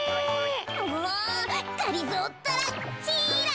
もうがりぞーったら！